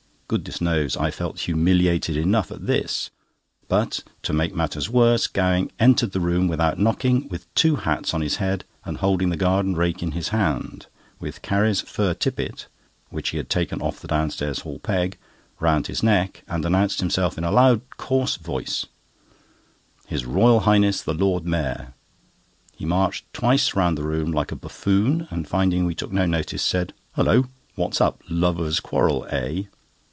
Goodness knows I felt humiliated enough at this; but, to make matters worse, Gowing entered the room, without knocking, with two hats on his head and holding the garden rake in his hand, with Carrie's fur tippet (which he had taken off the downstairs hall peg) round his neck, and announced himself in a loud, coarse voice: "His Royal Highness, the Lord Mayor!" He marched twice round the room like a buffoon, and finding we took no notice, said: "Hulloh! what's up? Lovers' quarrel, eh?"